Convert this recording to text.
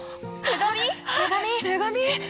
手紙？